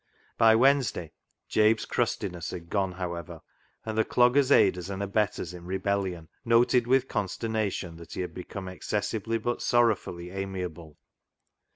By Wednesday Jabe's crustiness had gone, however, and the dogger's aiders and abettors in rebellion noted with consternation that he had become excessively but sorrowfully amiable.